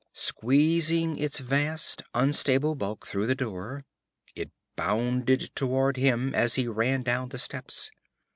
Squeezing its vast, unstable bulk through the door, it bounded toward him, as he ran down the steps.